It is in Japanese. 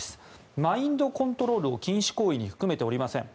マインドコントロールを禁止行為に含めておりません。